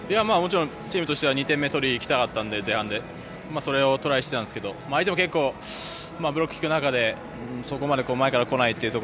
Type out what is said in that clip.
もちろん、チームとしては２点目を前半で取りにいきたかったのでそれにトライしていたんですけど相手も結構ブロックがきく中でそこまで前から来ない